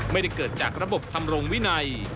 ไม่ได้เกิดจากระบบทำรงวินัย